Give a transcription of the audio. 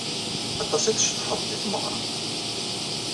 Aṭas i tceḍḥeḍ di tmeɣra.